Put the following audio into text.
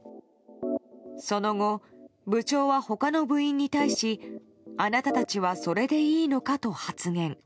その後、部長は他の部員に対しあなたたちはそれでいいのかと発言。